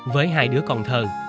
với hai đứa con thơ